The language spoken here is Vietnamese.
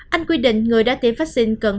anh quy định người đã tiêm vaccine cần